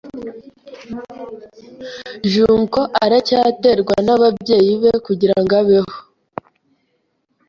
Junko aracyaterwa nababyeyi be kugirango abeho.